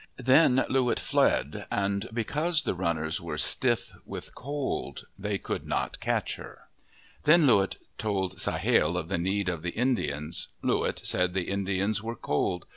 Then Loo wit fled and because the run ners were stiff with cold, they could not catch her. Then Loo wit told Sahale of the need of the In dians. Loo wit said the Indians were cold.